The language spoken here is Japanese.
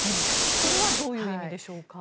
これはどういう意味でしょうか？